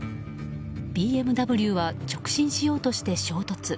ＢＭＷは直進しようとして衝突。